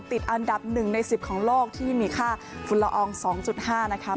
ติดอันดับหนึ่งในสิบของโลกที่มีค่าฝุ่นละอองสองจุดห้านะคะ